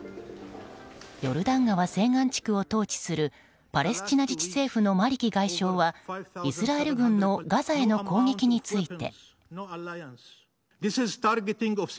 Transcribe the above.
ヨルダン川西岸地区を統治するパレスチナ自治政府のマリキ外相は、イスラエル軍のガザへの攻撃について。